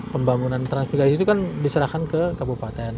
pembangunan transmigrasi itu kan diserahkan ke kabupaten